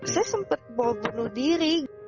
saya sempat bobelu diri